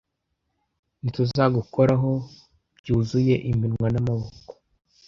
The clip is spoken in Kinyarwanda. Ntituzagukoraho byuzuye iminwa n'amaboko?